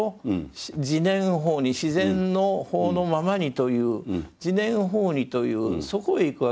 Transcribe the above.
自然の法のままにという自然法爾というそこへ行くわけです。